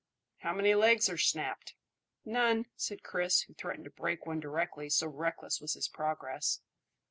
"How many legs are snapped?" "None," said Chris, who threatened to break one directly, so reckless was his progress.